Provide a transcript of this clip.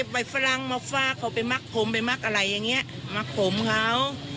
ไปหมักผมไปหมักอะไรอย่างเงี้ยหมักผมเขา